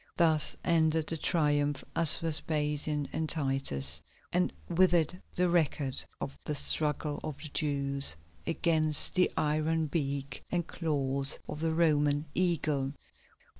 Thus ended the Triumph of Vespasian and Titus, and with it the record of the struggle of the Jews against the iron beak and claws of the Roman Eagle.